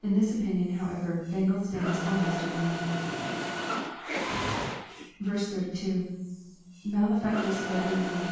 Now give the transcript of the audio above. In this opinion, however, Bengel stands almost alone. 32. — [Malefactors led with Km.